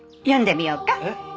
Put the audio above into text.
読んでみようか。